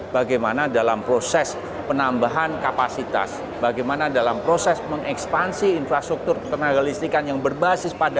bagaimana dalam proses penambahan kapasitas bagaimana dalam proses mengekspansi infrastruktur tenaga listrikan yang berbasis pada